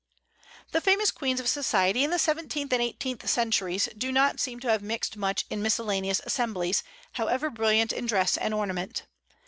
The famous queens of society in the seventeenth and eighteenth centuries do not seem to have mixed much in miscellaneous assemblies, however brilliant in dress and ornament.